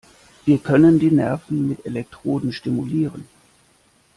Wir können die Nerven mit Elektroden stimulieren.